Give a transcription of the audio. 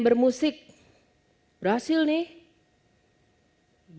bermusik berhasil nih